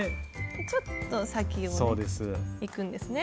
ちょっと先をいくんですね。